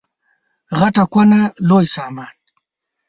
غټه کونه لوی سامان.